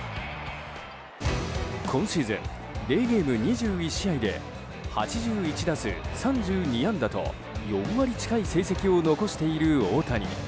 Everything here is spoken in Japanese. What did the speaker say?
今シーズンデーゲーム２１試合で８１打数３２安打と４割近い成績を残している大谷。